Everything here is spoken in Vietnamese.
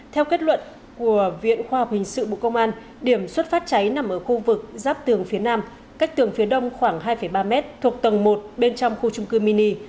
theo kết luận của viện khoa học hình sự bộ công an điểm xuất phát cháy nằm ở khu vực giáp tường phía nam cách tường phía đông khoảng hai ba m thuộc tầng một bên trong khu trung cư mini